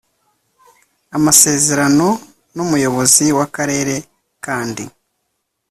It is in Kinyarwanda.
amasezerano n Umuyobozi w Akarere kandi